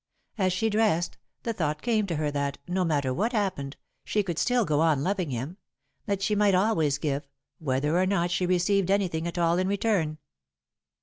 As she dressed, the thought came to her that, no matter what happened, she could still go on loving him, that she might always give, whether or not she received anything at all in return.